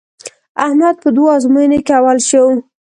احمد په دوو ازموینو کې اول شو.